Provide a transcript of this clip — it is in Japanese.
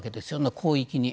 広域に。